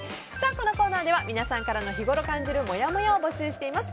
このコーナーでは皆さんからの日ごろ感じるもやもやを募集しています。